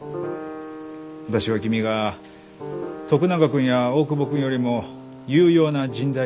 私は君が徳永君や大窪君よりも有用な人材だと思っている。